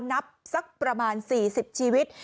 นับสักประมาณ๔๐ชีวิต